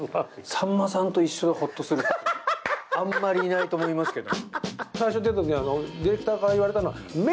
さんまさんと一緒でホッとするってあまりいないと思いますけど。